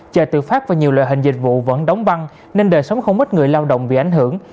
chợ tự phát và nhiều loại hình dịch vụ vẫn đóng băng nên đời sống không ít người lao động bị ảnh hưởng